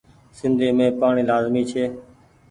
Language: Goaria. سندي مين پآڻيٚ لآزمي ڇي۔